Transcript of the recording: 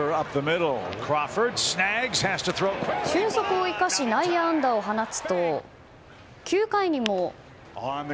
俊足を生かし、内野安打を放つと９回にも。